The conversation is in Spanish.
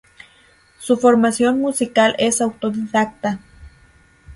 Su formación musical es autodidacta.